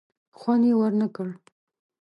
خوند یې ور نه کړ.